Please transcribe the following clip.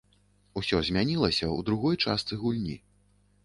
Усё змянілася ў другой частцы гульні.